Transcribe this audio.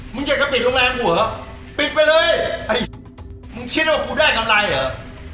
มึงอยากจะปิดโรงแรมกูเหรอปิดไปเลยมึงคิดว่ากูได้กำไรเหรอ